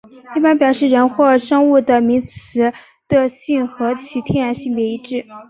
一般表示人或生物的名词的性和其天然性别一致。